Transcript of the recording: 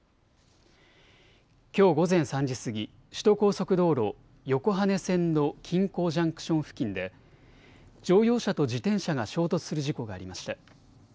きょう午前３時過ぎ、首都高速道路横羽線の金港ジャンクション付近で乗用車と自転車が衝突する事故がありました。